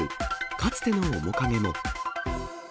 かつての面影も。